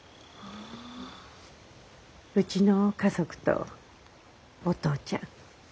うちの家族とお父ちゃん。